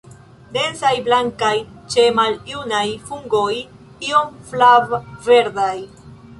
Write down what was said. Densaj, blankaj, ĉe maljunaj fungoj iom flav-verdaj.